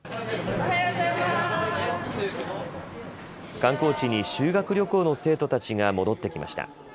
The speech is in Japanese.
観光地に修学旅行の生徒たちが戻ってきました。